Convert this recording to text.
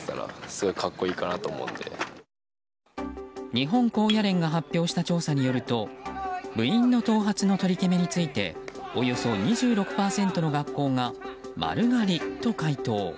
日本高野連が発表した調査によると部員の頭髪の取り決めについておよそ２６％の学校が丸刈りと回答。